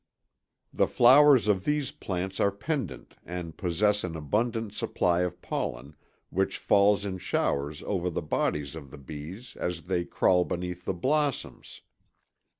The flowers of these plants are pendent and possess an abundant supply of pollen, which falls in showers over the bodies of the bees as they crawl beneath the blossoms.